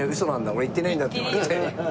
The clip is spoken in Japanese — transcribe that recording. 「俺行ってないんだ」って言われて。